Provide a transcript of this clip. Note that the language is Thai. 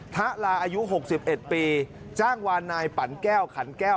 ทะลาอายุ๖๑ปีจ้างวานนายปั่นแก้วขันแก้ว